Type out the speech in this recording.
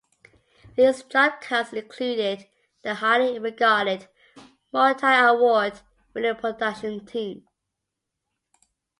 These job cuts included the highly regarded, multi-award-winning production team.